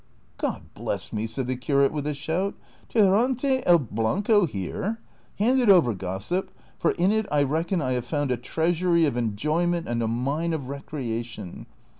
" Cxod bless me !" said the curate with a shout, " 'Tirante el Blanco ' here ! Hand it over, gossip, for in it I reckon I have found a treasury of enjoyment and a mine of recreation.